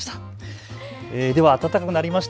では暖かくなりました。